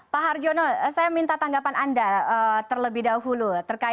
pak harjono saya minta tanggapan anda terlebih dahulu